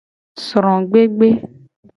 Srogbegbe.